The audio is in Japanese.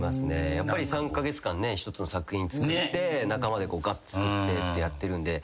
やっぱり３カ月間一つの作品作って仲間で作ってってやってるんで。